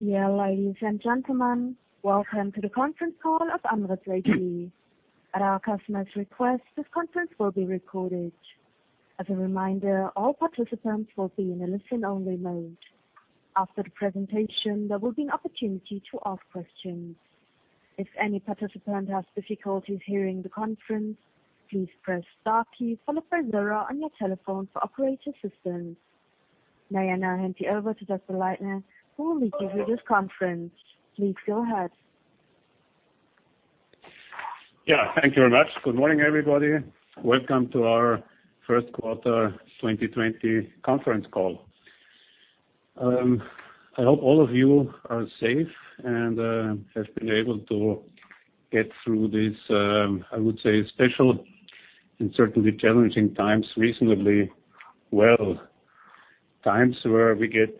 Yeah, ladies and gentlemen, welcome to the conference call of Andritz AG. At our customer's request, this conference will be recorded. As a reminder, all participants will be in a listen-only mode. After the presentation, there will be an opportunity to ask questions. If any participant has difficulties hearing the conference, please press star key followed by zero on your telephone for operator assistance. May I now hand you over to Wolfgang Leitner, who will lead you through this conference. Please go ahead. Yeah. Thank you very much. Good morning, everybody. Welcome to our first quarter 2020 conference call. I hope all of you are safe and have been able to get through this, I would say special and certainly challenging times reasonably well. Times where we get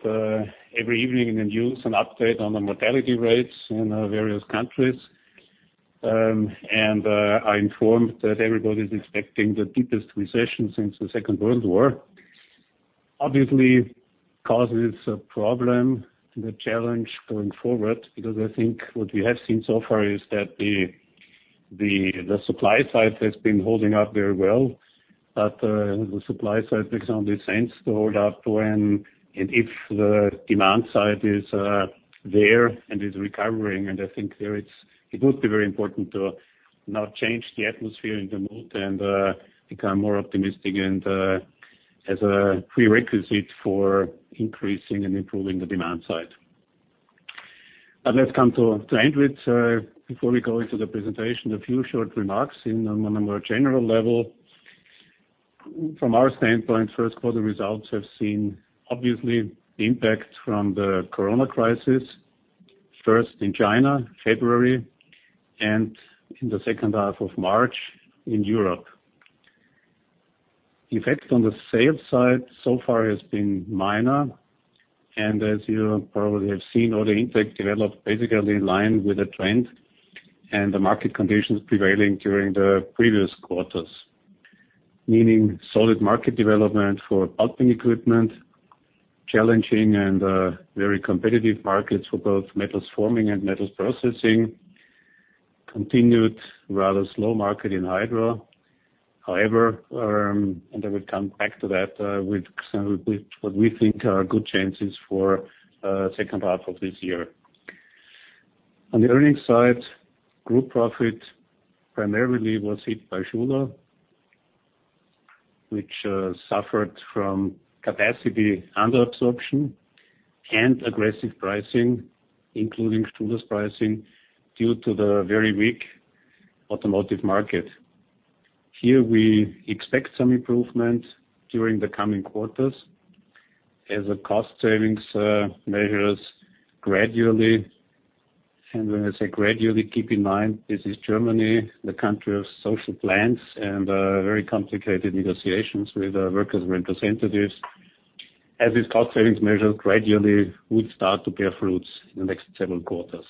every evening in the news an update on the mortality rates in various countries. I'm informed that everybody's expecting the deepest recession since the Second World War. Obviously causes a problem, the challenge going forward, because I think what we have seen so far is that the supply side has been holding up very well, but the supply side makes only sense to hold up when and if the demand side is there and is recovering. I think there it would be very important to now change the atmosphere in the mood and become more optimistic and, as a prerequisite for increasing and improving the demand side. Let's come to Andritz, before we go into the presentation, a few short remarks on a more general level. From our standpoint, first quarter results have seen obviously the impact from the coronavirus crisis. First in China, February, and in the second half of March in Europe. Effect on the sales side so far has been minor, and as you probably have seen, all the intake developed basically in line with the trend and the market conditions prevailing during the previous quarters. Meaning solid market development for pulping equipment, challenging and very competitive markets for both metals forming and metals processing. Continued rather slow market in hydro. I will come back to that, with what we think are good chances for second half of this year. On the earnings side, group profit primarily was hit by Schuler, which suffered from capacity underabsorption and aggressive pricing, including Schuler's pricing, due to the very weak automotive market. Here we expect some improvement during the coming quarters as a cost savings measures gradually, and when I say gradually, keep in mind, this is Germany, the country of social plans and very complicated negotiations with workers representatives. These cost savings measures gradually would start to bear fruits in the next several quarters.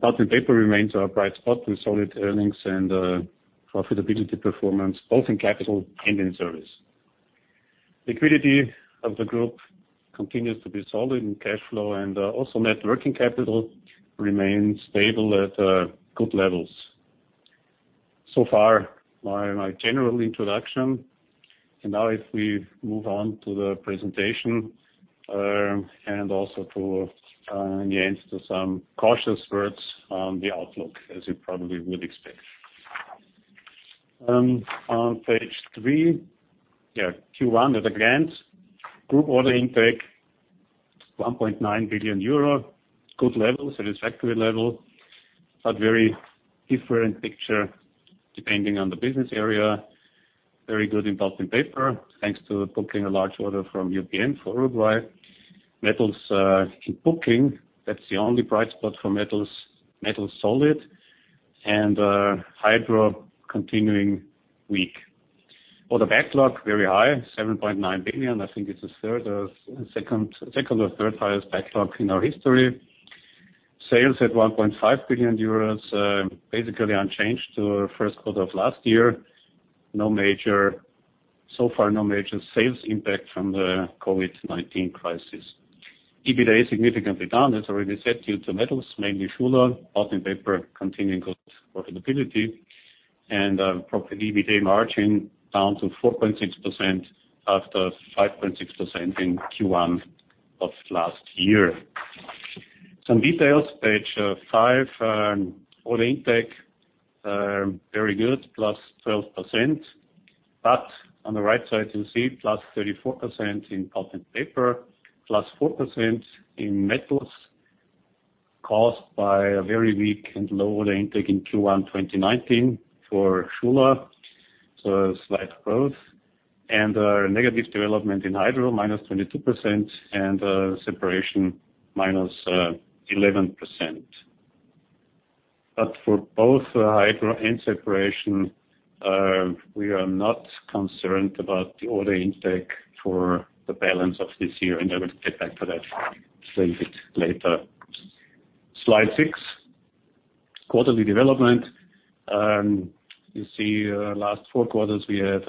Pulp and paper remains our bright spot with solid earnings and profitability performance both in capital and in service. Liquidity of the group continues to be solid in cash flow and also net working capital remains stable at good levels. So far, my general introduction. Now if we move on to the presentation, and also to, again, to some cautious words on the outlook, as you probably would expect. On page three. Yeah. Q1 at a glance. Group order intake, 1.9 billion euro. Good level, satisfactory level, but very different picture depending on the business area. Very good in pulp and paper, thanks to booking a large order from UPM for Uruguay. Metals in booking, that's the only bright spot for Metals. Metals solid. Hydro continuing weak. Order backlog very high, 7.9 billion. I think it's the second or third highest backlog in our history. Sales at 1.5 billion euros, basically unchanged to first quarter of last year. So far, no major sales impact from the COVID-19 crisis. EBITDA is significantly down, as already said, due to Metals, mainly Schuler. Pulp and Paper, continuing good profitability. Profit EBITDA margin down to 4.6% after 5.6% in Q1 of last year. Some details, page five. Order intake, very good, +12%. On the right side, you see +34% in pulp and paper, +4% in metals, caused by a very weak and low order intake in Q1 2019 for Schuler, so slight growth. A negative development in Hydro, -22%, and Separation -11%. For both Hydro and Separation, we are not concerned about the order intake for the balance of this year, and I will get back to that a bit later. Slide six. Quarterly development. You see last four quarters, we had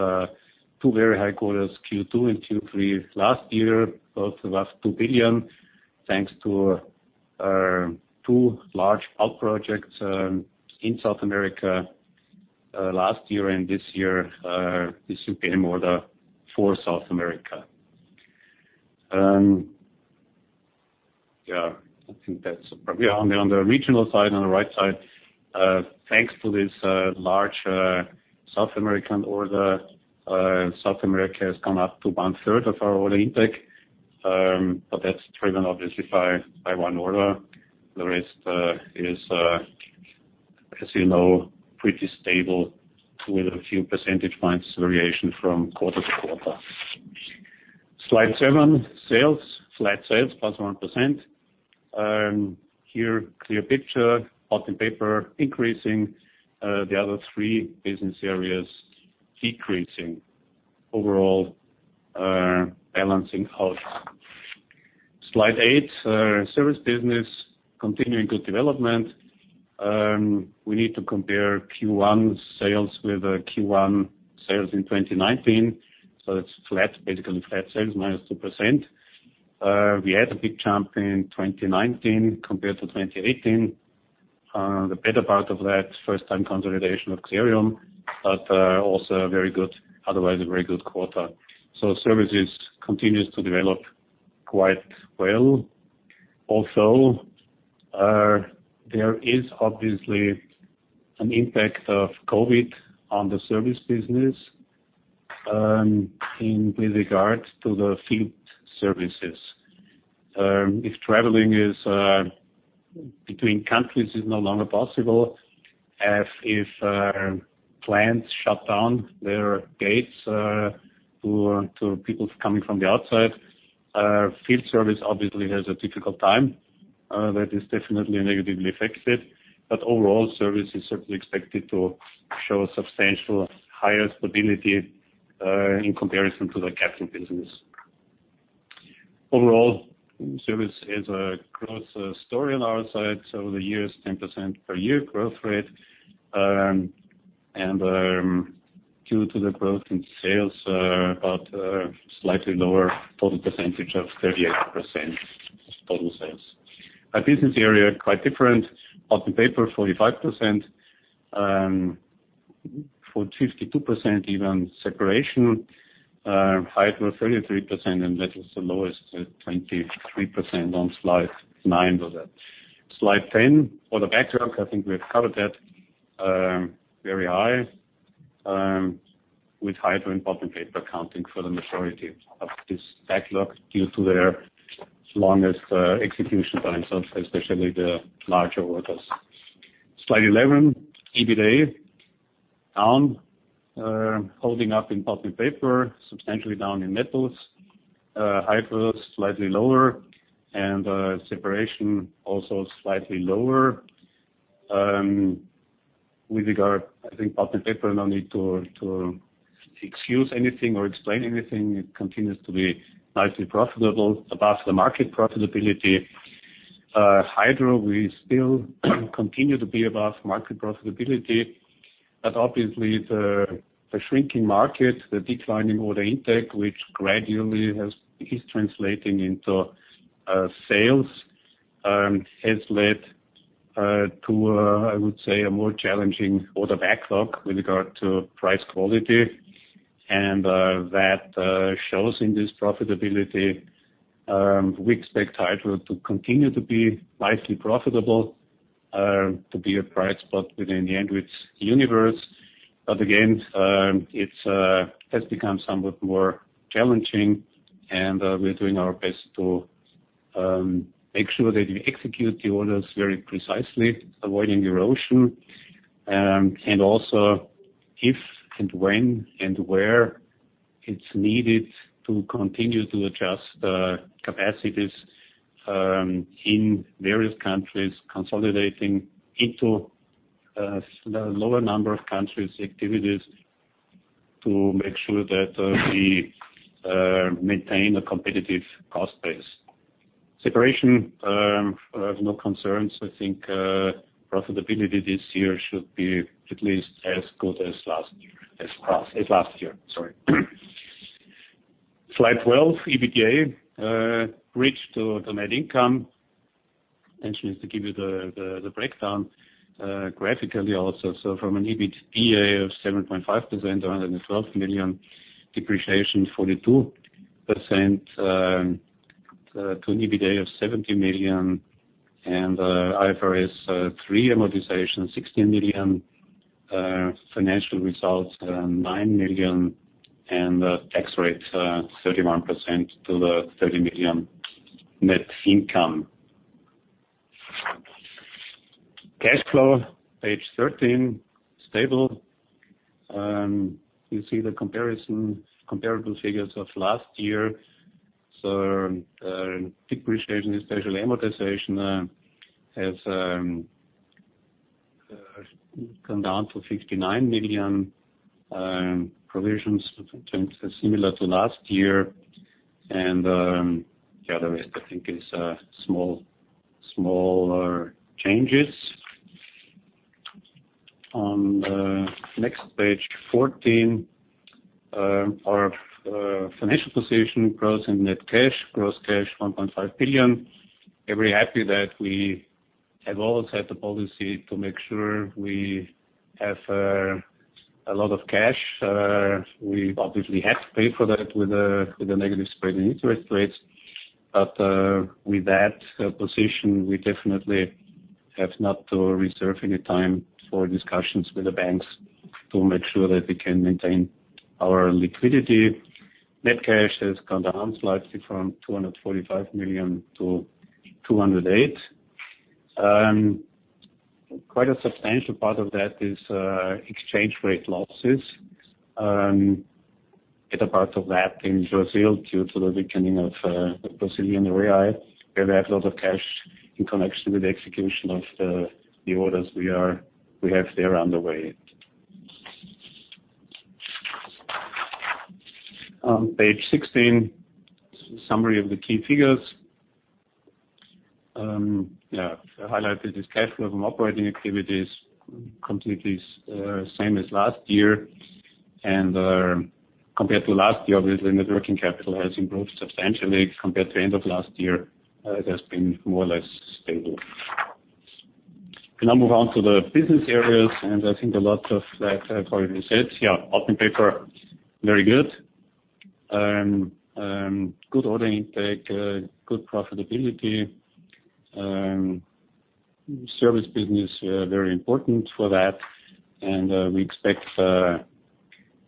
two very high quarters, Q2 and Q3 last year, both above 2 billion, thanks to two large pulp projects in South America last year. This year, this has been more for South America. I think that's probably on the regional side, on the right side. Thanks to this large South American order, South America has gone up to one third of our order intake, that's driven obviously by one order. The rest is, as you know, pretty stable with a few percentage points variation from quarter to quarter. Slide seven, sales. Flat sales, plus 1%. Here, clear picture. Pulp and Paper increasing, the other three business areas decreasing. Overall, balancing out. Slide eight, service business continuing good development. We need to compare Q1 sales with Q1 sales in 2019, it's basically flat sales, minus 2%. We had a big jump in 2019 compared to 2018. The better part of that, first time consolidation of Xerium, also very good, otherwise a very good quarter. Services continues to develop quite well. There is obviously an impact of COVID-19 on the service business with regard to the field services. If traveling between countries is no longer possible, as if plants shut down their gates to people coming from the outside, field service obviously has a difficult time that is definitely negatively affected. Overall, service is certainly expected to show substantial higher stability, in comparison to the capital business. Overall, service is a growth story on our side. Over the years, 10% per year growth rate. Due to the growth in sales, about a slightly lower total percentage of 38% of total sales. Our business area, quite different. Pulp and Paper, 45%. For 52% even, Separation. Hydro, 33%, and Metals the lowest at 23% on slide nine. Slide 10. Order backlog, I think we have covered that very high, with Hydro and Pulp and Paper accounting for the majority of this backlog due to their longest execution times, especially the larger orders. Slide 11. EBITDA down. Holding up in Pulp and Paper, substantially down in Metals. Hydro, slightly lower, and Separation also slightly lower. With regard, I think Pulp and Paper, no need to excuse anything or explain anything. It continues to be nicely profitable above the market profitability. Hydro, we still continue to be above market profitability, but obviously the shrinking market, the decline in order intake, which gradually is translating into sales, has led to, I would say, a more challenging order backlog with regard to price quality, and that shows in this profitability. We expect Hydro to continue to be nicely profitable, to be a price spot within the Andritz universe. Again, it has become somewhat more challenging and we're doing our best to make sure that we execute the orders very precisely, avoiding erosion. Also if, and when, and where it's needed to continue to adjust capacities in various countries, consolidating into the lower number of countries' activities to make sure that we maintain a competitive cost base. Separation, I have no concerns. I think profitability this year should be at least as good as last year. Slide 12, EBITDA. Bridge to net income. To give you the breakdown graphically also. From an EBITDA of 7.5% or 112 million depreciation, 42% to an EBITDA of 70 million. IFRS 3 amortization, 16 million. Financial results, 9 million. Tax rate, 31% to the 30 million net income. Cash flow, page 13, stable. You see the comparable figures of last year. Depreciation, especially amortization, has come down to 69 million. Provisions similar to last year. The other rest I think is smaller changes. On the next page 14, our financial position, gross and net cash. Gross cash, 1.5 billion. Very happy that we have always had the policy to make sure we have a lot of cash. We obviously had to pay for that with the negative spread in interest rates. With that position, we definitely have not to reserve any time for discussions with the banks to make sure that we can maintain our liquidity. Net cash has gone down slightly from 245 million-208 million. Quite a substantial part of that is exchange rate losses. Get a part of that in Brazil due to the weakening of the Brazilian real, where we have a lot of cash in connection with the execution of the orders we have there on the way. On page 16, summary of the key figures. Highlighted is cash flow from operating activities, completely same as last year. Compared to last year, obviously, net working capital has improved substantially compared to end of last year. It has been more or less stable. Can now move on to the business areas, and I think a lot of that I've already said. Yeah. Pulp and paper, very good. Good order intake, good profitability. Service business, very important for that. We expect,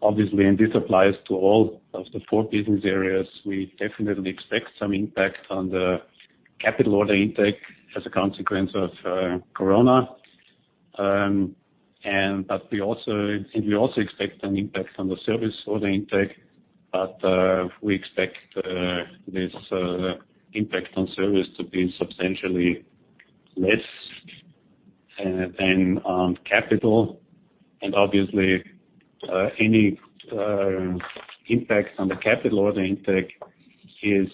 obviously, and this applies to all of the four business areas. We definitely expect some impact on the capital order intake as a consequence of COVID-19. We also expect an impact on the service order intake, but we expect this impact on service to be substantially less than on capital. Obviously, any impact on the capital order intake is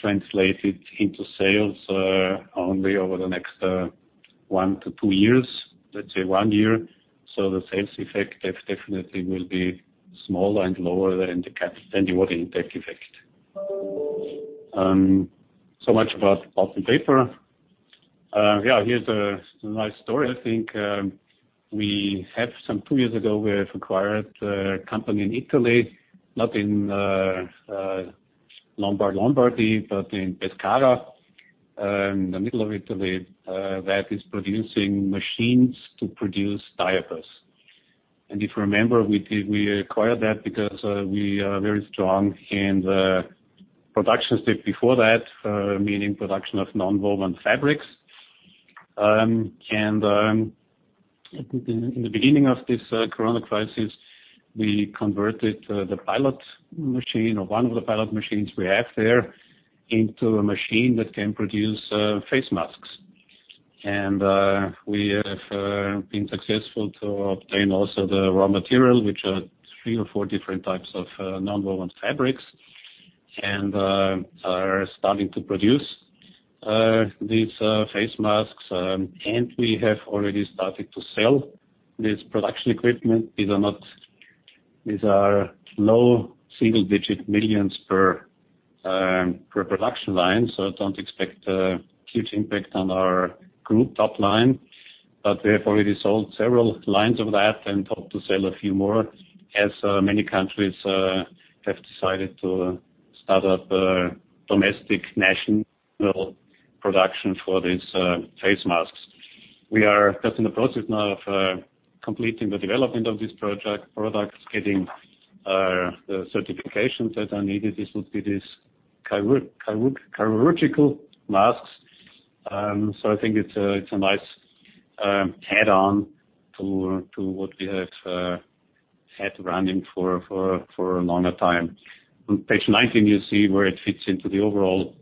translated into sales only over the next one to two years, let's say one year. The sales effect definitely will be smaller and lower than the order intake effect. Much about pulp and paper. Here's a nice story, I think. Two years ago, we have acquired a company in Italy, not in Lombardy, but in Pescara, in the middle of Italy, that is producing machines to produce diapers. If you remember, we acquired that because we are very strong in the production step before that, meaning production of nonwoven fabrics. I think in the beginning of this COVID-19 crisis, we converted the pilot machine or one of the pilot machines we have there into a machine that can produce surgical masks. We have been successful to obtain also the raw material, which are 3 or 4 different types of nonwoven fabrics, and are starting to produce these surgical masks. We have already started to sell this production equipment. These are low single-digit millions EUR per production line, so don't expect a huge impact on our group top line. We have already sold several lines of that and hope to sell a few more, as many countries have decided to start up domestic national production for these surgical masks. We are just in the process now of completing the development of this product, getting the certifications that are needed. This will be these surgical masks. I think it's a nice add-on to what we have had running for a longer time. On page 19, you see where it fits into the overall,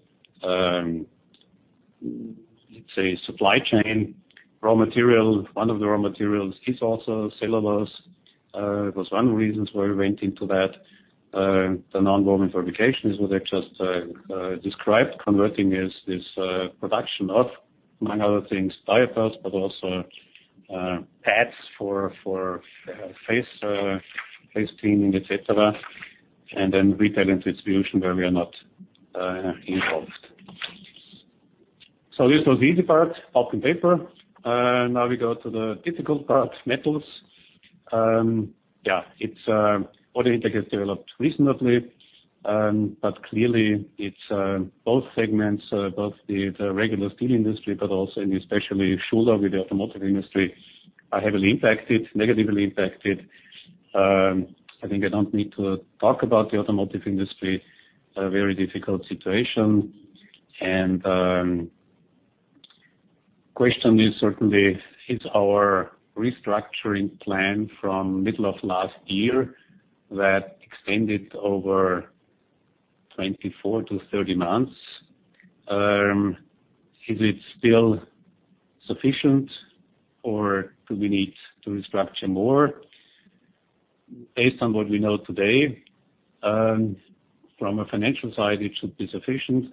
let's say, supply chain. Raw material, one of the raw materials is also cellulose. It was one of the reasons why we went into that. The nonwoven fabrication is what I just described, converting is this production of, among other things, diapers, but also pads for face cleaning, et cetera. Retail and distribution, where we are not involved. This was the easy part, pulp and paper. We go to the difficult part, metals. Order intake has developed reasonably, but clearly it's both segments, both the regular steel industry, but also in especially Schuler with the automotive industry, are heavily impacted, negatively impacted. I think I don't need to talk about the automotive industry, a very difficult situation, and question is certainly, is our restructuring plan from middle of last year that extended over 24 to 30 months, is it still sufficient or do we need to restructure more? Based on what we know today, from a financial side, it should be sufficient.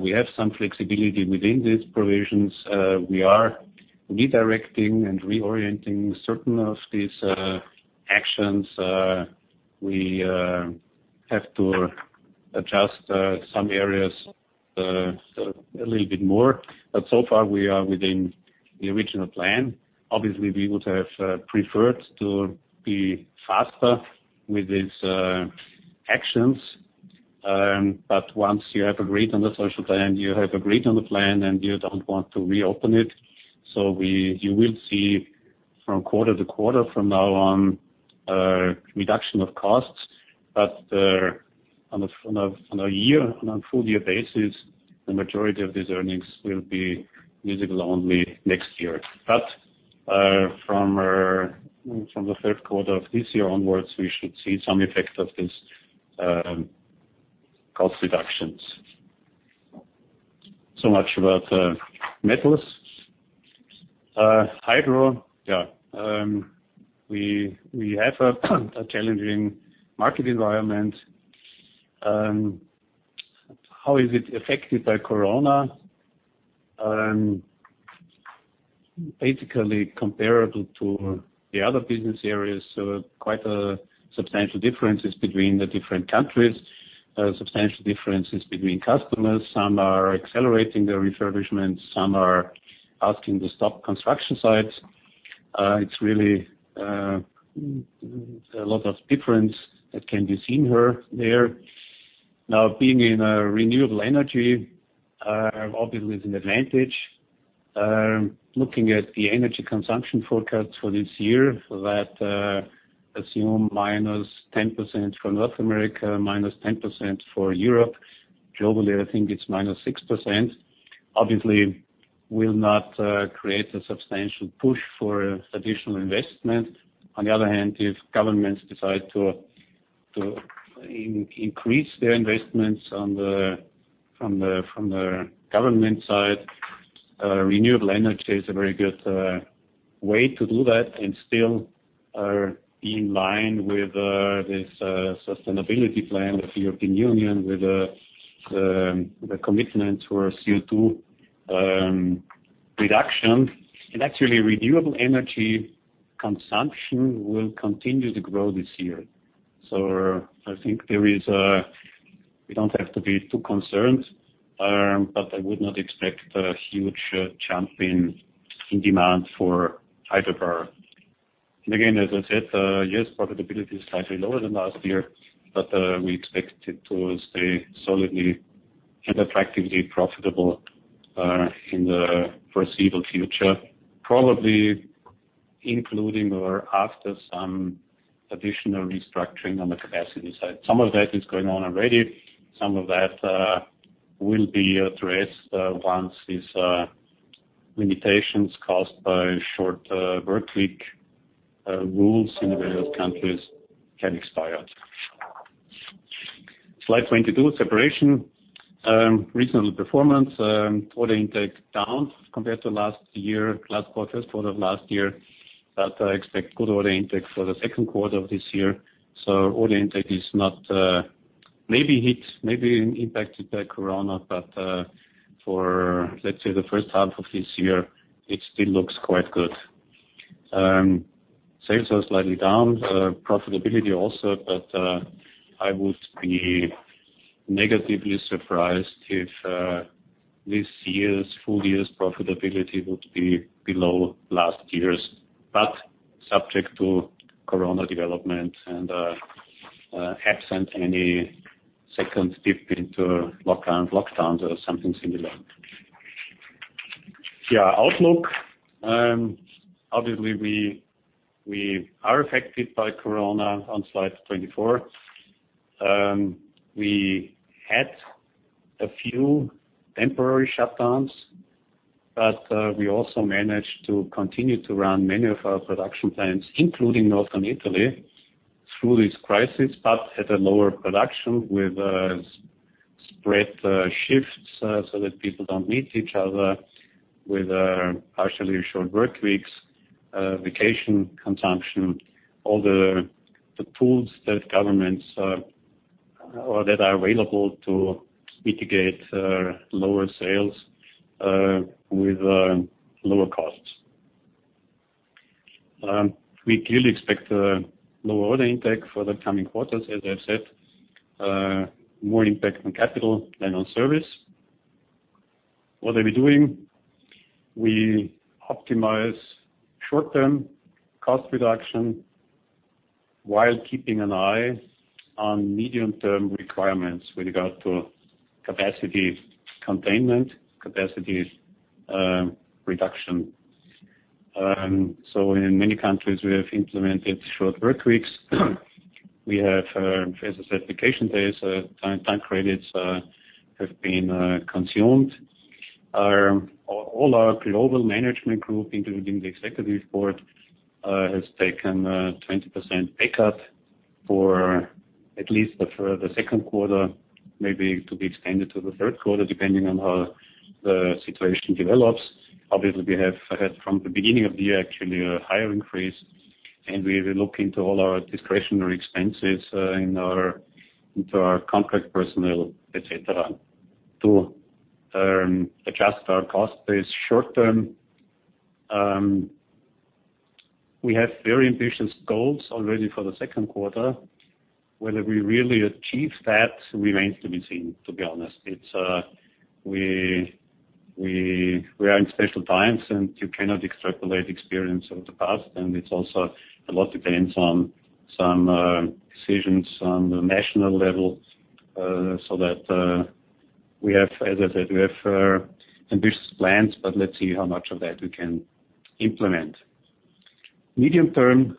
We have some flexibility within these provisions. We are redirecting and reorienting certain of these actions. We have to adjust some areas a little bit more, but so far we are within the original plan. Obviously, we would have preferred to be faster with these actions. Once you have agreed on the social plan, you have agreed on the plan, and you don't want to reopen it. You will see from quarter to quarter from now on, a reduction of costs. On a full year basis, the majority of these earnings will be visible only next year. From the third quarter of this year onwards, we should see some effect of these cost reductions. Much about Metals. Hydro. We have a challenging market environment. How is it affected by COVID-19? Basically comparable to the other business areas. Quite a substantial differences between the different countries, substantial differences between customers. Some are accelerating their refurbishment, some are asking to stop construction sites. It's really a lot of difference that can be seen there. Being in a renewable energy, obviously is an advantage. Looking at the energy consumption forecasts for this year that assume -10% for North America, -10% for Europe. Globally, I think it's minus 6%. Obviously will not create a substantial push for additional investment. On the other hand, if governments decide to increase their investments from the government side, renewable energy is a very good way to do that and still be in line with this sustainability plan of the European Union, with the commitment towards CO2 reduction. Actually, renewable energy consumption will continue to grow this year. I think we don't have to be too concerned, but I would not expect a huge jump in demand for hydro power. Again, as I said, yes, profitability is slightly lower than last year, but we expect it to stay solidly and attractively profitable in the foreseeable future, probably including or after some additional restructuring on the capacity side. Some of that is going on already. Some of that will be addressed once these limitations caused by short workweek rules in the various countries can expire. Slide 22, Separation. Recent performance. Order intake down compared to last year, last quarter of last year. I expect good order intake for the second quarter of this year. Order intake is not maybe hit, maybe impacted by COVID-19, but for, let's say, the first half of this year, it still looks quite good. Sales are slightly down, profitability also, but I would be negatively surprised if this year's full year's profitability would be below last year's, but subject to COVID-19 development and absent any second dip into lockdowns or something similar. Our outlook. Obviously, we are affected by COVID-19 on slide 24. We had a few temporary shutdowns, we also managed to continue to run many of our production plants, including Northern Italy, through this crisis, but at a lower production with spread shifts so that people don't meet each other, with partially short workweeks, vacation consumption, all the tools that governments are available to mitigate lower sales with lower costs. We clearly expect a lower order intake for the coming quarters, as I've said. More impact on capital than on service. What are we doing? We optimize short-term cost reduction while keeping an eye on medium-term requirements with regard to capacity containment, capacity reduction. In many countries, we have implemented short workweeks. We have vacation days, time credits have been consumed. All our global management group, including the executive board, has taken a 20% pay cut. For at least the second quarter, maybe to be extended to the third quarter, depending on how the situation develops. Obviously, we have had from the beginning of the year actually a higher increase, and we will look into all our discretionary expenses into our contract personnel, et cetera, to adjust our cost base short term. We have very ambitious goals already for the second quarter. Whether we really achieve that remains to be seen, to be honest. We are in special times, and you cannot extrapolate experience of the past, and it also a lot depends on some decisions on the national level, so that we have, as I said, we have ambitious plans, but let's see how much of that we can implement. Medium term,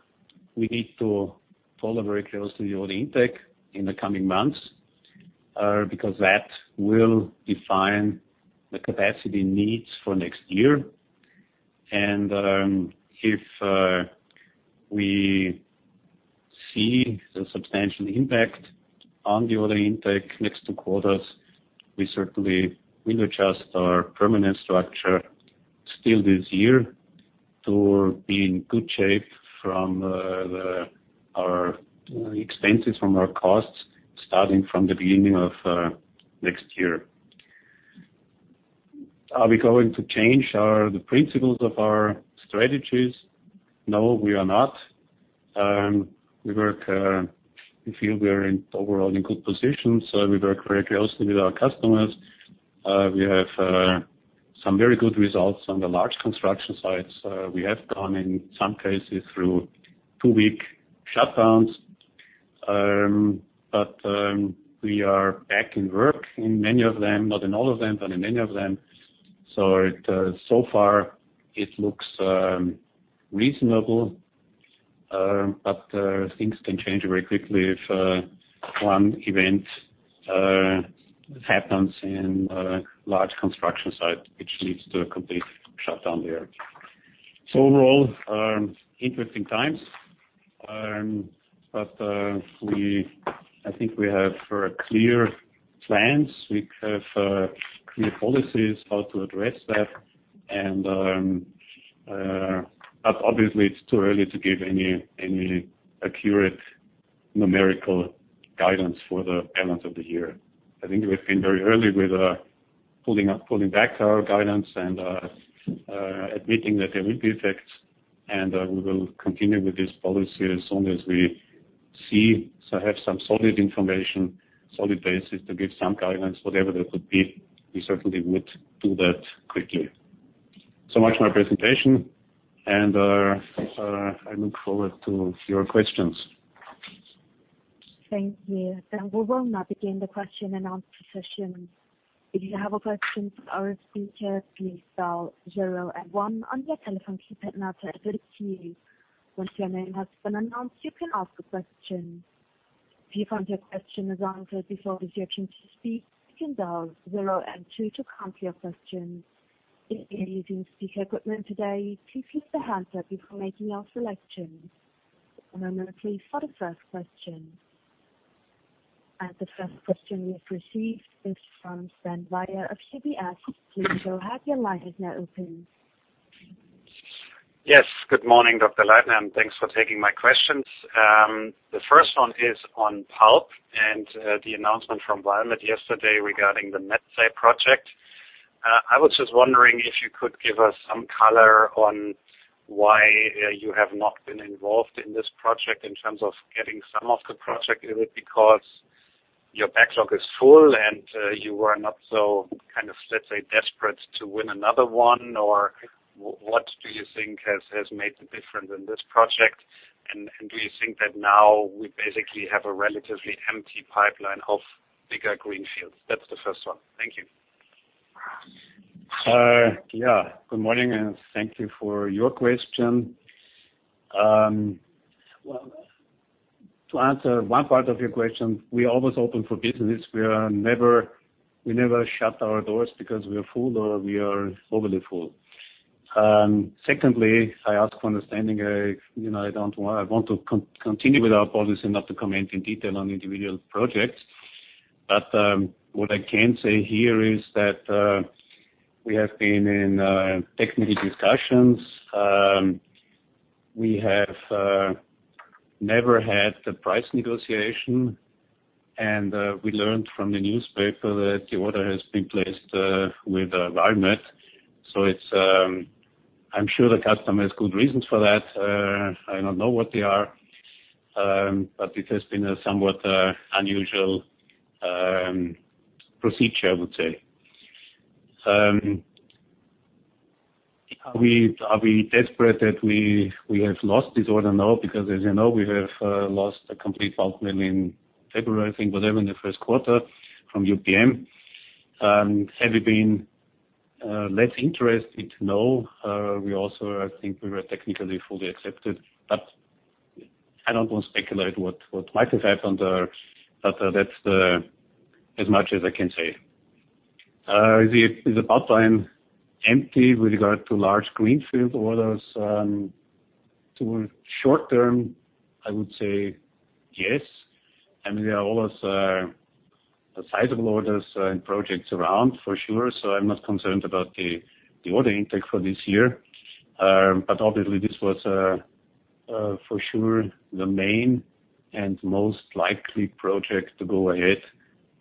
we need to follow very closely the order intake in the coming months, because that will define the capacity needs for next year. If we see a substantial impact on the order intake next two quarters, we certainly will adjust our permanent structure still this year to be in good shape from our expenses, from our costs, starting from the beginning of next year. Are we going to change the principles of our strategies? No, we are not. We feel we are overall in good position, we work very closely with our customers. We have some very good results on the large construction sites. We have gone in some cases through two-week shutdowns. We are back in work in many of them, not in all of them, but in many of them. So far it looks reasonable. Things can change very quickly if one event happens in a large construction site, which leads to a complete shutdown there. Overall, interesting times. I think we have clear plans. We have clear policies how to address that and, obviously, it's too early to give any accurate numerical guidance for the balance of the year. I think we've been very early with pulling back our guidance and admitting that there will be effects, and we will continue with this policy as long as we see, have some solid information, solid basis to give some guidance, whatever that would be. We certainly would do that quickly. Much my presentation, and I look forward to your questions. Thank you. We will now begin the question and answer session. If you have a question for our speaker, please dial zero and one on your telephone keypad now to alert you. Once your name has been announced, you can ask a question. If you find your question is answered before the option to speak, you can dial zero and two to cancel your question. If you're using speaker equipment today, please lift the handset before making your selection. A moment please for the first question. The first question we have received is from Sven Weier of UBS. Sven Weier, your line is now open. Yes. Good morning, Wolfgang Leitner, and thanks for taking my questions. The first one is on pulp and the announcement from Valmet yesterday regarding the Metsä project. I was just wondering if you could give us some color on why you have not been involved in this project in terms of getting some of the project. Is it because your backlog is full and you are not so kind of, let's say, desperate to win another one? What do you think has made the difference in this project? Do you think that now we basically have a relatively empty pipeline of bigger green fields? That's the first one. Thank you. Good morning. Thank you for your question. Well, to answer one part of your question, we're always open for business. We never shut our doors because we are full or we are overly full. Secondly, I ask for understanding. I want to continue with our policy not to comment in detail on individual projects. What I can say here is that we have been in technical discussions. We have never had the price negotiation. We learned from the newspaper that the order has been placed with Valmet. I'm sure the customer has good reasons for that. I don't know what they are. It has been a somewhat unusual procedure, I would say. Are we desperate that we have lost this order now? As you know, we have lost a complete pulp mill in February, I think, whatever, in the first quarter from UPM. Have we been less interested? No. We also, I think we were technically fully accepted. I don't want to speculate what might have happened. That's as much as I can say. Is the pipeline empty with regard to large greenfield orders? To short term, I would say yes. There are always sizable orders and projects around for sure, so I'm not concerned about the order intake for this year. Obviously this was, for sure, the main and most likely project to go ahead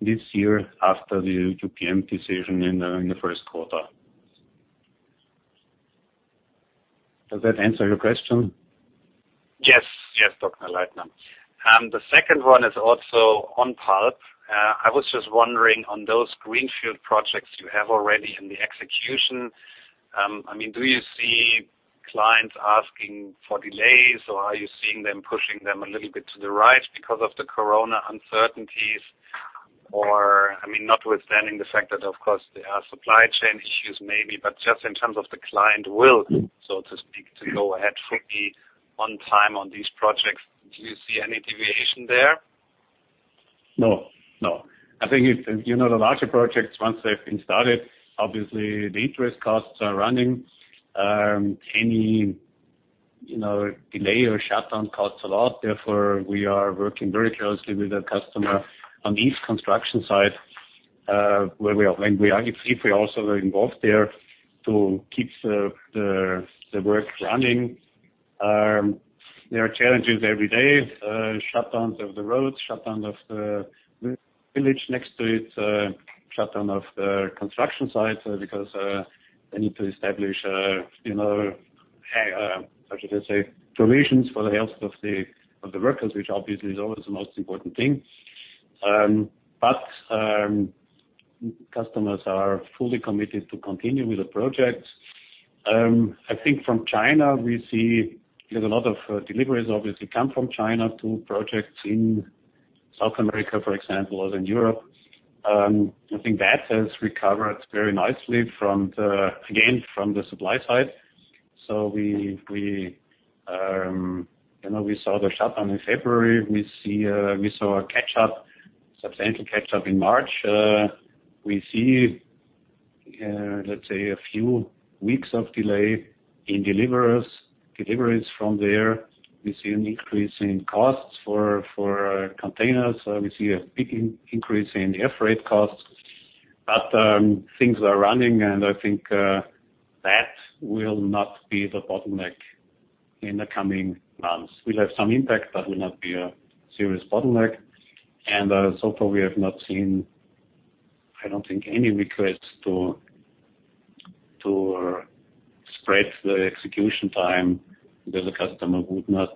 this year after the UPM decision in the first quarter. Does that answer your question? Yes. Yes, Wolfgang Leitner. The second one is also on pulp. I was just wondering on those greenfield projects you have already in the execution, do you see clients asking for delays or are you seeing them pushing them a little bit to the right because of the corona uncertainties? Notwithstanding the fact that, of course, there are supply chain issues maybe, but just in terms of the client will, so to speak, to go ahead fully on time on these projects. Do you see any deviation there? I think, the larger projects, once they've been started, obviously the interest costs are running. Any delay or shutdown costs a lot. We are working very closely with the customer on each construction site, if we also are involved there to keep the work running. There are challenges every day. Shutdowns of the roads, shutdown of the village next to it, shutdown of the construction site, because they need to establish, how should I say? Provisions for the health of the workers, which obviously is always the most important thing. Customers are fully committed to continue with the project. I think from China, we see there's a lot of deliveries obviously come from China to projects in South America, for example, as in Europe. I think that has recovered very nicely from the, again, from the supply side. We saw the shutdown in February. We saw a catch up, substantial catch up in March. We see, let's say a few weeks of delay in deliveries from there. We see an increase in costs for containers. We see a big increase in air freight costs. Things are running and I think that will not be the bottleneck in the coming months. We'll have some impact, but will not be a serious bottleneck. So far we have not seen, I don't think, any request to spread the execution time where the customer would not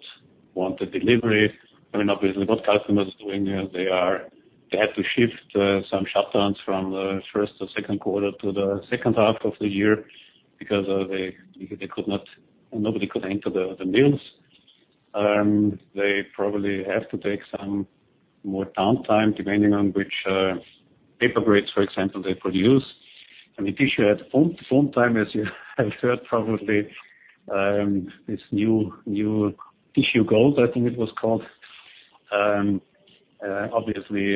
want a delivery. Obviously what customers are doing, they had to shift some shutdowns from the first or second quarter to the second half of the year because they could not, nobody could enter the mills. They probably have to take some more downtime, depending on which paper grades, for example, they produce. Tissue had a tough time, as you have heard probably. This new tissue gold, I think it was called. Obviously,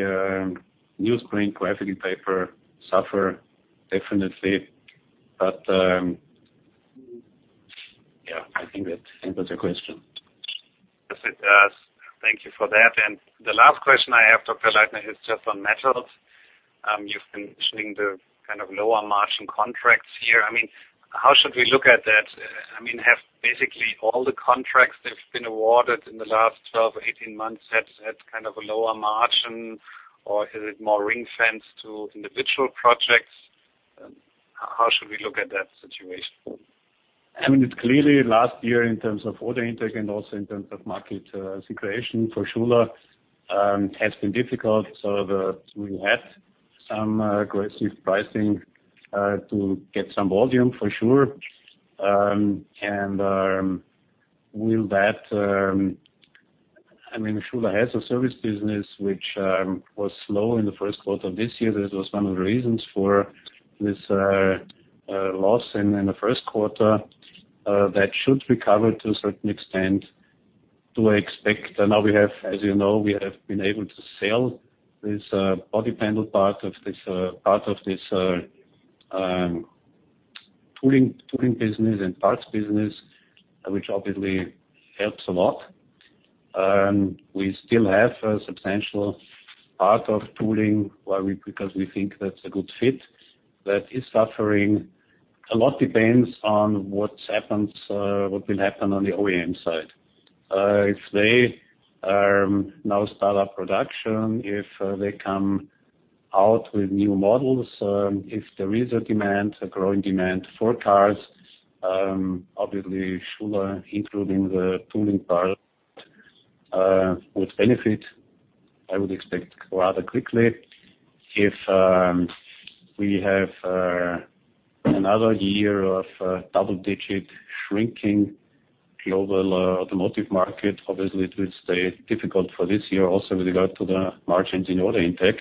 newsprint, graphic paper suffer definitely. Yeah, I think that answers your question. Yes, it does. Thank you for that. The last question I have, Wolfgang Leitner, is just on Metsä. You've been mentioning the lower margin contracts here. How should we look at that? Have basically all the contracts that have been awarded in the last 12 or 18 months had a lower margin, or is it more ring-fenced to individual projects? How should we look at that situation? It's clearly last year in terms of order intake and also in terms of market situation for Schuler, has been difficult. We had some aggressive pricing, to get some volume for sure. Schuler has a service business, which was slow in the first quarter of this year. That was one of the reasons for this loss in the first quarter. That should recover to a certain extent. Now we have, as you know, we have been able to sell this body panel part of this tooling business and parts business, which obviously helps a lot. We still have a substantial part of tooling because we think that's a good fit. That is suffering. A lot depends on what will happen on the OEM side. If they now start up production, if they come out with new models, if there is a demand, a growing demand for cars, obviously Schuler, including the tooling part, would benefit, I would expect rather quickly. If we have another year of double-digit shrinking global automotive market, obviously it will stay difficult for this year also with regard to the margins in order intake,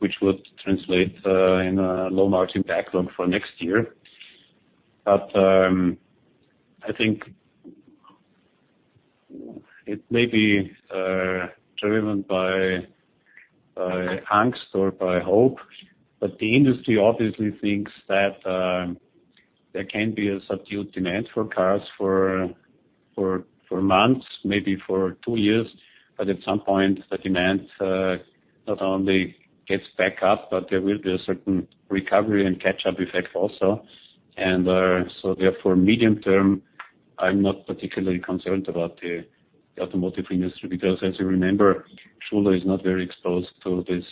which would translate in a low margin backlog for next year. It may be driven by angst or by hope, but the industry obviously thinks that there can be a subdued demand for cars for months, maybe for two years. At some point, the demand not only gets back up, but there will be a certain recovery and catch-up effect also. Therefore medium-term, I'm not particularly concerned about the automotive industry because, as you remember, Schuler is not very exposed to these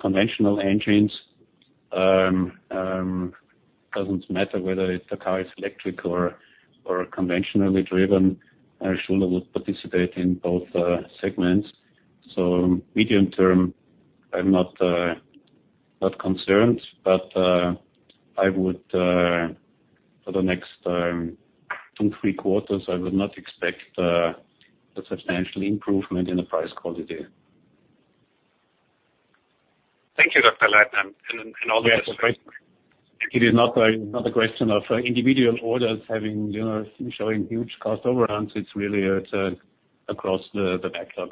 conventional engines. Doesn't matter whether the car is electric or conventionally driven, Schuler would participate in both segments. Medium-term, I'm not concerned, but for the next two, three quarters, I would not expect a substantial improvement in the price quality. Thank you, Dr. Leitner. It is not a question of individual orders showing huge cost overruns. It's really across the backlog.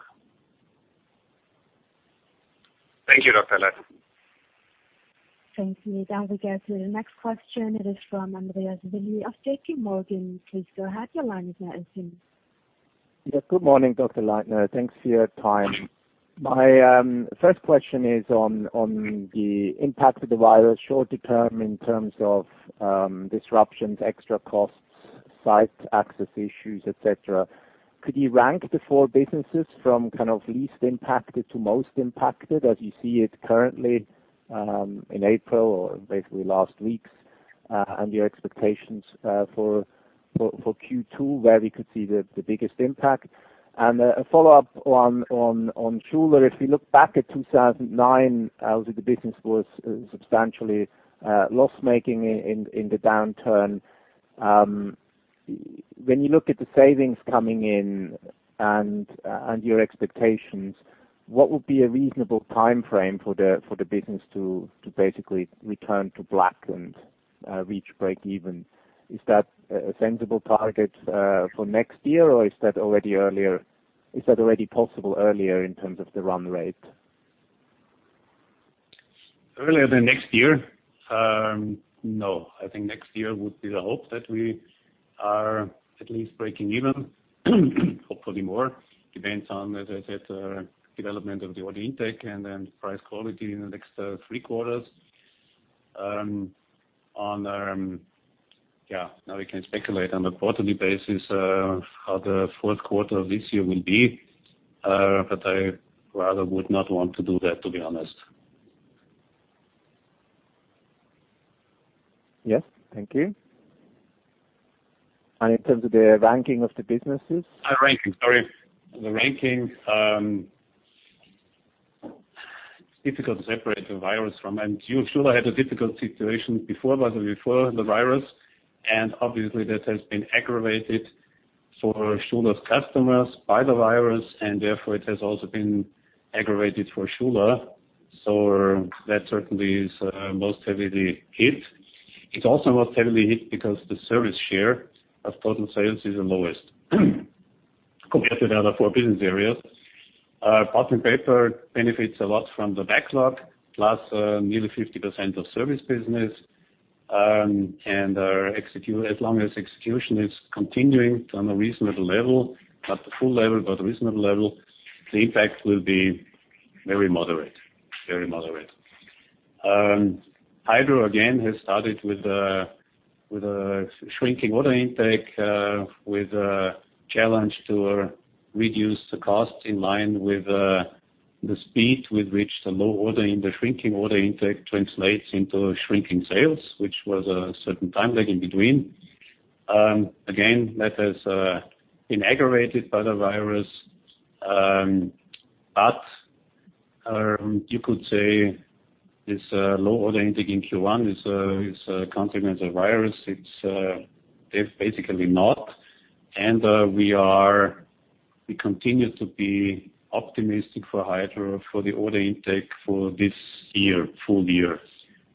Thank you, Dr. Leitner. Thank you. Now we go to the next question. It is from Andreas Willi of JPMorgan. Please go ahead, your line is now open. Yes. Good morning, Dr. Leitner. Thanks for your time. My first question is on the impact of the virus, shorter term, in terms of disruptions, extra costs, site access issues, et cetera. Could you rank the four businesses from least impacted to most impacted as you see it currently, in April or basically last weeks, and your expectations for Q2, where we could see the biggest impact? A follow-up on Schuler. If we look back at 2009, obviously the business was substantially loss-making in the downturn. When you look at the savings coming in and your expectations, what would be a reasonable timeframe for the business to basically return to black and reach breakeven? Is that a sensible target for next year, or is that already possible earlier in terms of the run rate? Earlier than next year? No. I think next year would be the hope that we are at least breaking even. Hopefully more. Depends on, as I said, development of the order intake and then price quality in the next three quarters. We can speculate on a quarterly basis, how the fourth quarter of this year will be, but I rather would not want to do that, to be honest. Yes. Thank you. In terms of the ranking of the businesses? Ranking. Sorry. The ranking. Schuler had a difficult situation before, by the way, before the virus, and obviously that has been aggravated for Schuler's customers by the virus, and therefore, it has also been aggravated for Schuler. That certainly is most heavily hit. It's also most heavily hit because the service share of total sales is the lowest compared to the other four business areas. Pulp and Paper benefits a lot from the backlog, plus nearly 50% of service business. As long as execution is continuing on a reasonable level, not the full level, but a reasonable level, the impact will be very moderate. Hydro again has started with a shrinking order intake, with a challenge to reduce the costs in line with the speed with which the shrinking order intake translates into shrinking sales, which was a certain time lag in between. That has been aggravated by the virus. You could say this low order intake in Q1 is a consequence of virus. It's basically not. We continue to be optimistic for Hydro for the order intake for this full year.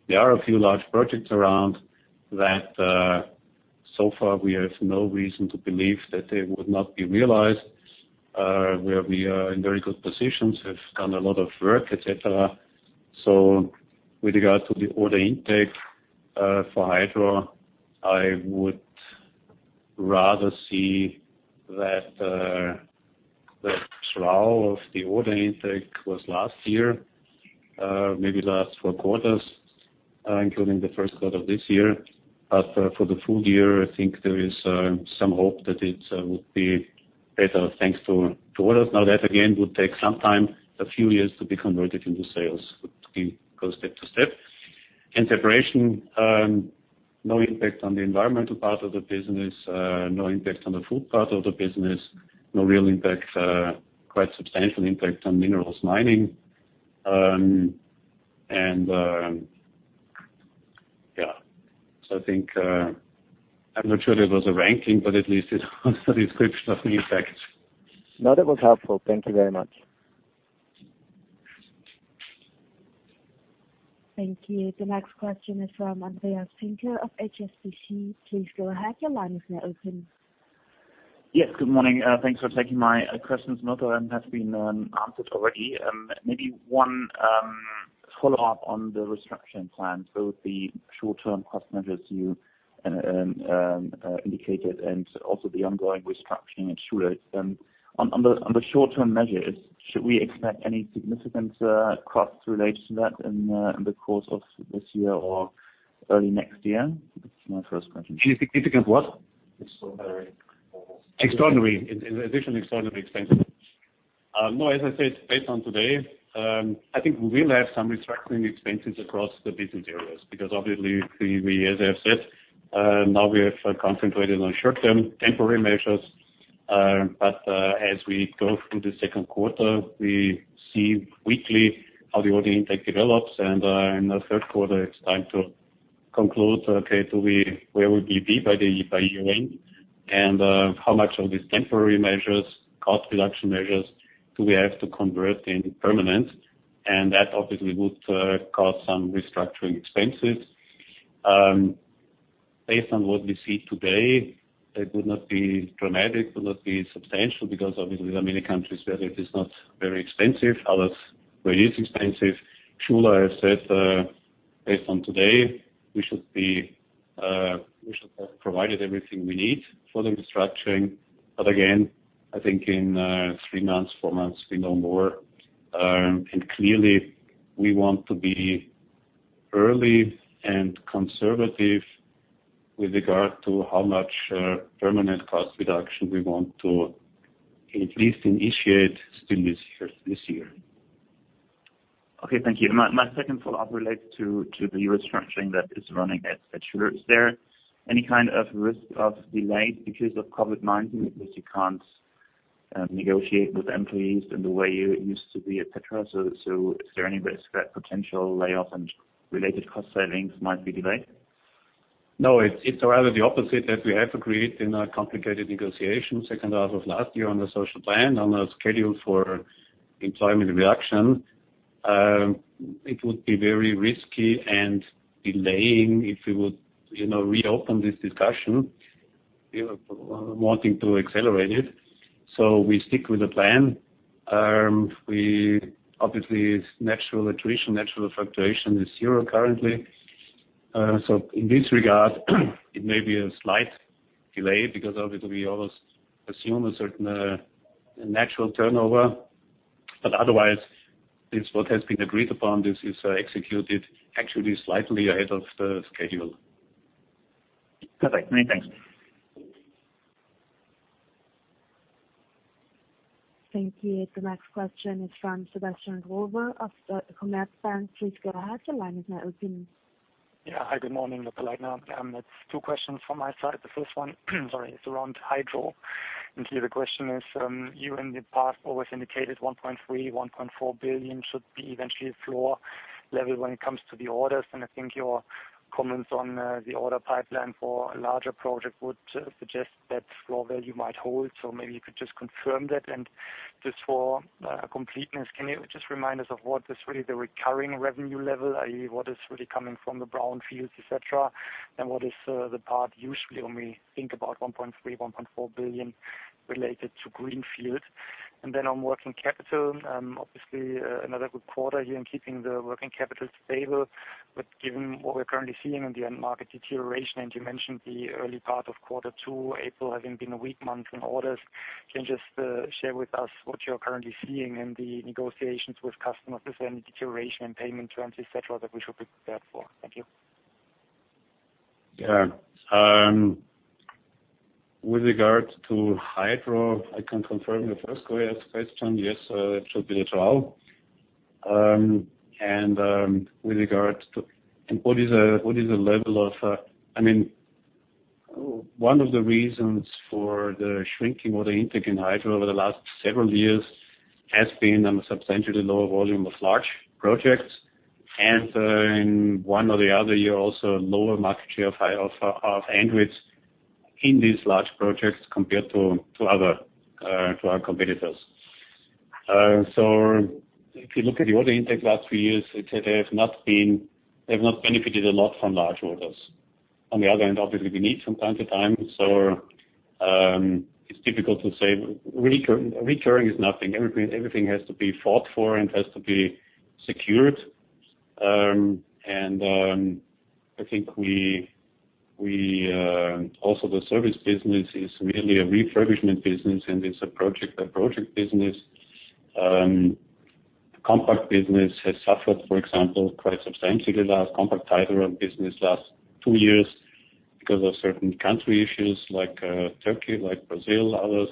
There are a few large projects around that so far we have no reason to believe that they would not be realized, where we are in very good positions. We've done a lot of work, et cetera. With regard to the order intake for Hydro, I would rather see that the trough of the order intake was last year, maybe the last four quarters, including the first quarter of this year. For the full year, I think there is some hope that it would be better thanks to orders. That, again, would take some time, a few years to be converted into sales. We go step to step. Separation, no impact on the environmental part of the business. No impact on the food part of the business. No real impact, quite substantial impact on minerals mining. I think, I'm not sure that was a ranking, but at least it was a description of the impact. That was helpful. Thank you very much. Thank you. The next question is from Andreas Sinding of HSBC. Please go ahead, your line is now open. Yes, good morning. Thanks for taking my questions. Not that it has been answered already. Maybe one follow-up on the restructuring plan. Both the short-term cost measures you indicated and also the ongoing restructuring at Schuler. On the short-term measures, should we expect any significant costs related to that in the course of this year or early next year? That's my first question. Significant what? Extraordinary. Additional extraordinary expenses. As I said, based on today, I think we will have some restructuring expenses across the business areas. Obviously, as I have said, now we have concentrated on short-term temporary measures. As we go through the second quarter, we see weekly how the order intake develops. In the third quarter, it's time to conclude, okay, where we will be by year-end, and how much of these temporary measures, cost reduction measures, do we have to convert into permanent? That obviously would cause some restructuring expenses. Based on what we see today, it would not be dramatic, it would not be substantial, because obviously there are many countries where it is not very expensive, others where it is expensive. Schuler has said, based on today, we should have provided everything we need for the restructuring. Again, I think in three months, four months, we know more. Clearly we want to be early and conservative with regard to how much permanent cost reduction we want to at least initiate still this year. Okay, thank you. My second follow-up relates to the restructuring that is running at Schuler. Is there any kind of risk of delay because of COVID-19? You can't negotiate with employees in the way you used to be, et cetera. Is there any risk that potential layoffs and related cost savings might be delayed? No, it's rather the opposite. We have agreed in a complicated negotiation second half of last year on the social plan, on a schedule for employment reduction. It would be very risky and delaying if we would reopen this discussion, wanting to accelerate it. We stick with the plan. Obviously it's natural attrition, natural fluctuation is zero currently. In this regard, it may be a slight delay because obviously we always assume a certain natural turnover. Otherwise, it's what has been agreed upon. This is executed actually slightly ahead of the schedule. Perfect. Many thanks. Thank you. The next question is from Sebastian Growe of Commerzbank. Please go ahead. Your line is now open. Yeah. Hi, good morning. [inaudible] It's two questions from my side. The first one, sorry, is around Hydro. Here the question is, you in the past always indicated 1.3 billion, 1.4 billion should be eventually a floor level when it comes to the orders. I think your comments on the order pipeline for a larger project would suggest that floor value might hold. Maybe you could just confirm that. Just for completeness, can you just remind us of what is really the recurring revenue level, i.e., what is really coming from the brownfields, et cetera? What is the part usually when we think about 1.3 billion, 1.4 billion related to greenfield? On working capital, obviously another good quarter here in keeping the working capital stable. Given what we're currently seeing in the end market deterioration, and you mentioned the early part of quarter two, April having been a weak month in orders, can you just share with us what you're currently seeing in the negotiations with customers? Is there any deterioration in payment terms, et cetera, that we should be prepared for? Thank you. Yeah. With regard to Hydro, I can confirm your first question. Yes, it should be the trial. One of the reasons for the shrinking order intake in Hydro over the last several years has been a substantially lower volume of large projects. In one or the other year, also a lower market share of Andritz in these large projects compared to our competitors. If you look at the order intake last few years, they have not benefited a lot from large orders. On the other hand, obviously, we need some time to time. It's difficult to say. Recurring is nothing. Everything has to be fought for and has to be secured. I think also the service business is really a refurbishment business, and it's a project by project business. Compact business has suffered, for example, quite substantially the last Compact Hydro business last two years because of certain country issues like Turkey, like Brazil, others.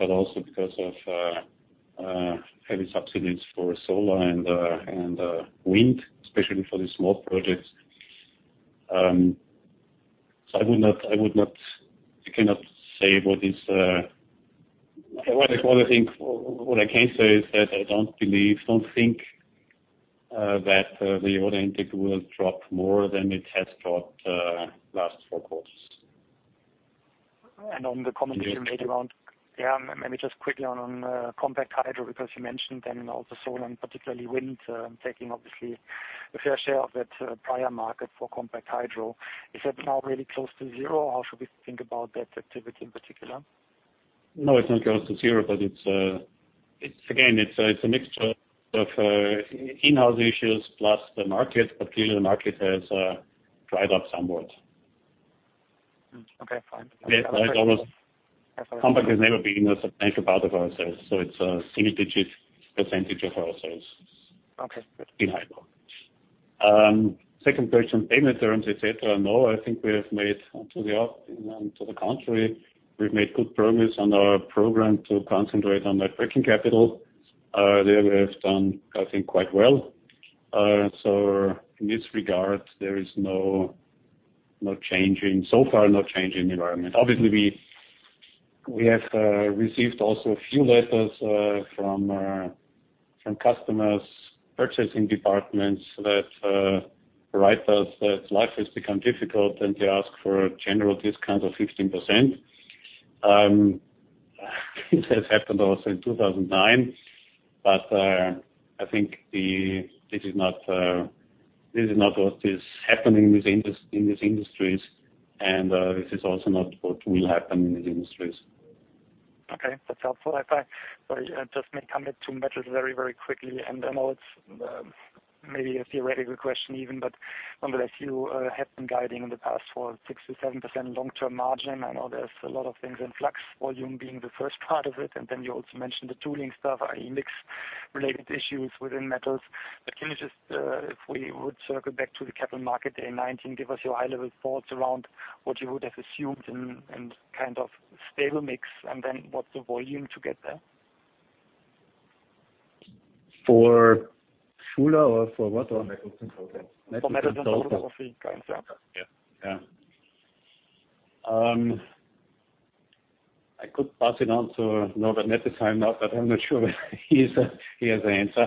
Also because of heavy subsidies for solar and wind, especially for the small projects. What I can say is that I don't think that the order intake will drop more than it has dropped last four quarters. And on the comment you made around- Yes. Maybe just quickly on Compact Hydro, because you mentioned then also solar and particularly wind, taking obviously a fair share of that prior market for Compact Hydro. Is that now really close to zero, or how should we think about that activity in particular? No, it's not close to zero, but it's a mixture of in-house issues plus the market. Clearly the market has dried up somewhat. Okay, fine. Compact has never been a substantial part of our sales, so it's a single-digit percentage of our sales. Okay. Good. In hydro. Second question, payment terms, et cetera. I think we've made to the contrary. We've made good progress on our program to concentrate on net working capital. There we have done, I think, quite well. In this regard, there is so far, no change in the environment. Obviously, we have received also a few letters from customers' purchasing departments that write us that life has become difficult, and they ask for a general discount of 15%. This has happened also in 2009, but I think this is not what is happening in these industries, and this is also not what will happen in these industries. Okay, that's helpful. Just may come to Metals very quickly. I know it's maybe a theoretical question even, but nonetheless, you have been guiding in the past for 6%-7% long-term margin. I know there's a lot of things in flux, volume being the first part of it, and then you also mentioned the tooling stuff, i.e. mix-related issues within Metals. Can you just, if we would circle back to the capital market in 2019, give us your high-level thoughts around what you would have assumed and kind of stable mix, and then what's the volume to get there? For Schuler or for what? For metals in total. Yeah. I could pass it on to Norbert Nettesheim, but I'm not sure he has the answer.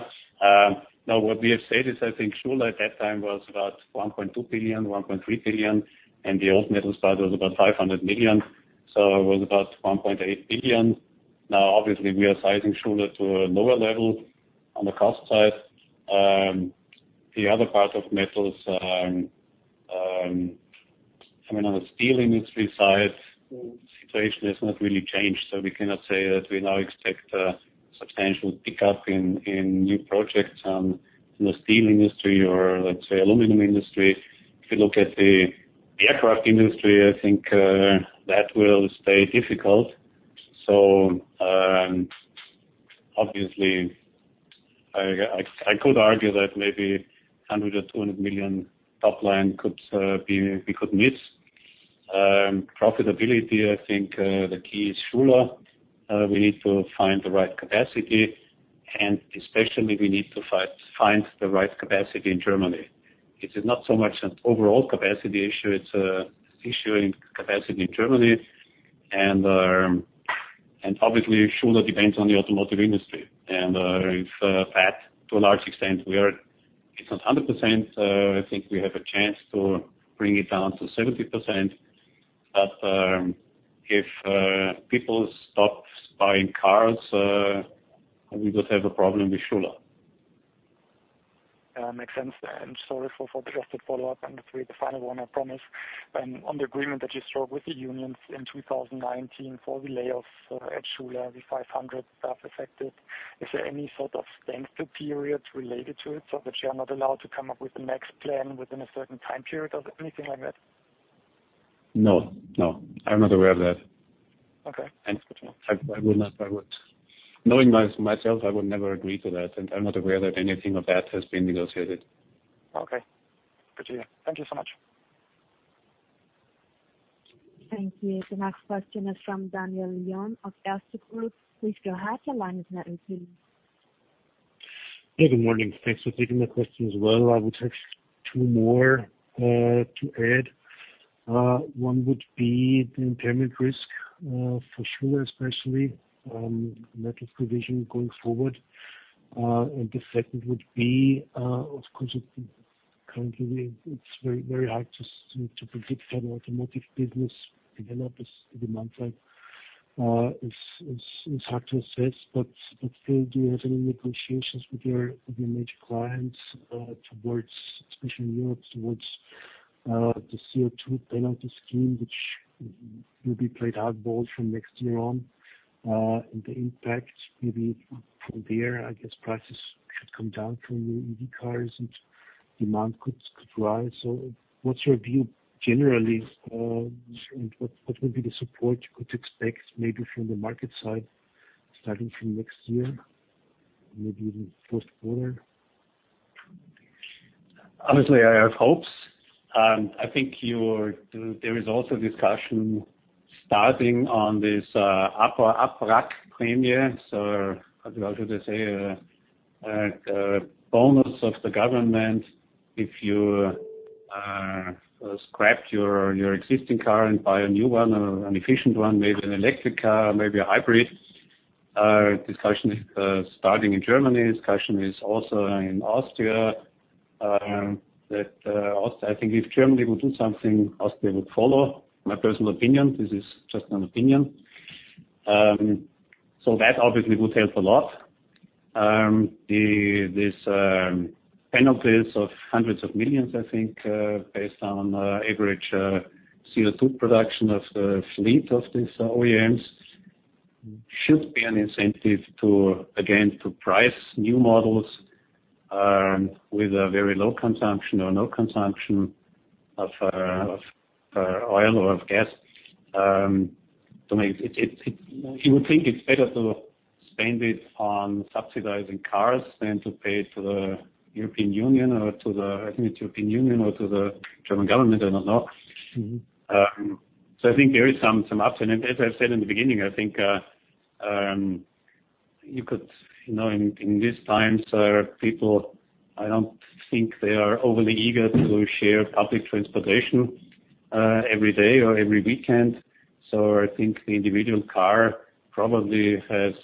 What we have said is, I think Schuler at that time was about 1.2 billion, 1.3 billion, and the old metals part was about 500 million, so it was about 1.8 billion. Obviously, we are sizing Schuler to a lower level on the cost side. The other part of metals, on the steel industry side, the situation has not really changed, so we cannot say that we now expect a substantial pickup in new projects in the steel industry or let's say aluminum industry. If you look at the aircraft industry, I think that will stay difficult. Obviously, I could argue that maybe 100 million or 200 million top line we could miss. Profitability, I think, the key is Schuler. We need to find the right capacity, especially, we need to find the right capacity in Germany. It is not so much an overall capacity issue, it's an issue in capacity in Germany. Obviously, Schuler depends on the automotive industry, and if that, to a large extent, it's not 100%, I think we have a chance to bring it down to 70%. If people stop buying cars, we would have a problem with Schuler. Makes sense. Sorry for just a follow-up and the final one, I promise. On the agreement that you struck with the unions in 2019 for the layoffs at Schuler, the 500 staff affected, is there any sort of standstill period related to it, so that you are not allowed to come up with the next plan within a certain time period or anything like that? No. I'm not aware of that. Okay. Knowing myself, I would never agree to that, and I'm not aware that anything of that has been negotiated. Okay. Good to hear. Thank you so much. Thank you. The next question is from Daniel Lion of Erste Group. Please go ahead, your line is now open. Yeah, good morning. Thanks for taking the question as well. I would have two more to add. One would be the impairment risk, for Schuler especially, metals provision going forward. The second would be, of course, currently it's very hard to predict how the automotive business will develop in the months. It's hard to assess, but still, do you have any negotiations with your major clients, especially in Europe, towards the CO2 penalty scheme, which will be played out bold from next year on, and the impact maybe from there? I guess prices should come down from the EV cars and demand could rise. What's your view generally? What will be the support you could expect maybe from the market side starting from next year, maybe even first quarter? Obviously, I have hopes. I think there is also a discussion starting on this Abwrackprämie. How should I say? A bonus of the government if you scrap your existing car and buy a new one, an efficient one, maybe an electric car, maybe a hybrid. Discussion is starting in Germany. Discussion is also in Austria. I think if Germany will do something, Austria would follow. My personal opinion, this is just an opinion. That obviously would help a lot. These penalties of hundreds of millions EUR, I think, based on average CO2 production of the fleet of these OEMs, should be an incentive, again, to price new models with a very low consumption or no consumption of oil or of gas. You would think it's better to spend it on subsidizing cars than to pay it to the European Union or to the, I think it's European Union or to the German government, I don't know. I think there is some ups and as I said in the beginning, I think, in these times, people, I don't think they are overly eager to share public transportation every day or every weekend. I think the individual car probably has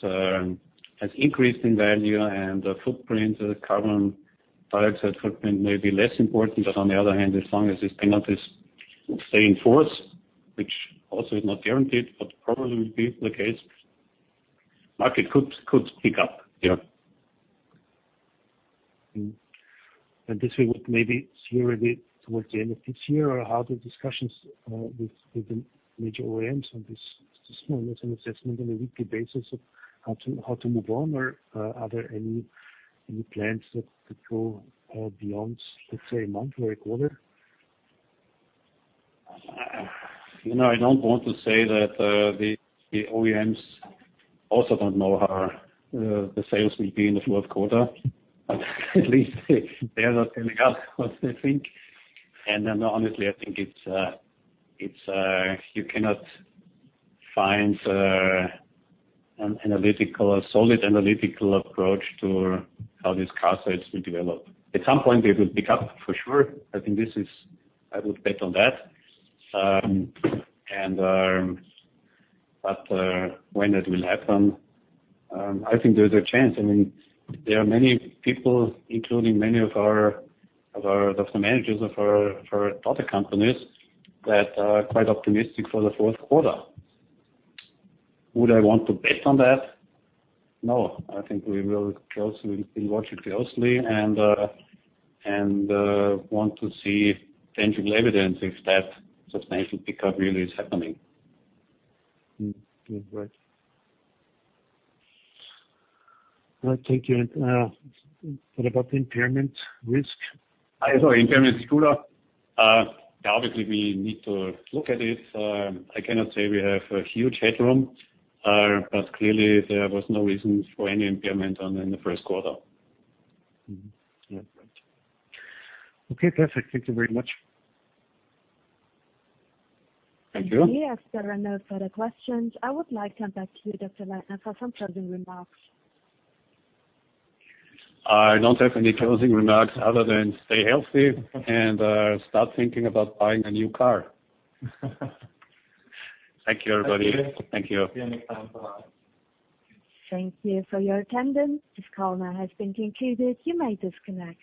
increased in value and the footprint, the carbon dioxide footprint may be less important, but on the other hand, as long as this penalty will stay in force, which also is not guaranteed, but probably will be the case, market could pick up. Yeah. This we would maybe see a bit towards the end of this year, or how the discussions with the major OEMs on this, is this more or less an assessment on a weekly basis of how to move on? Are there any plans that go beyond, let's say, a month or a quarter? I don't want to say that the OEMs also don't know how the sales will be in the fourth quarter, but at least they're not telling us what they think. Honestly, I think you cannot find a solid analytical approach to how these car sales will develop. At some point, they will pick up for sure. I would bet on that. When it will happen, I think there is a chance. There are many people, including many of the managers of our daughter companies, that are quite optimistic for the fourth quarter. Would I want to bet on that? No, I think we will watch it closely and want to see tangible evidence if that substantial pickup really is happening. Right. Thank you. What about the impairment risk? Sorry, impairment, sure. Obviously, we need to look at it. I cannot say we have a huge headroom. Clearly, there was no reason for any impairment in the first quarter. Mm-hmm. Yeah, right. Okay, perfect. Thank you very much. Thank you. Yes. There are no further questions. I would like to hand back to you Dr. Leitner for some closing remarks. I don't have any closing remarks other than stay healthy and start thinking about buying a new car. Thank you, everybody. Thank you. Thank you for your attendance. This call now has been concluded. You may disconnect.